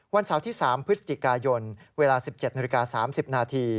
วันเสาร์ที่๓พฤศจิกายนเวลา๑๗น๓๐น